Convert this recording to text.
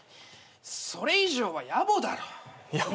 それ以上はやぼだろ。